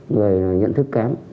người nhận thức kém